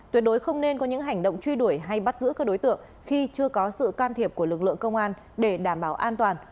tuyệt đối không nên có những hành động truy đuổi hay bắt giữ các đối tượng khi chưa có sự can thiệp của lực lượng công an để đảm bảo an toàn